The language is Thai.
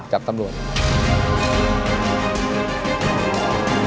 กับตำรวจ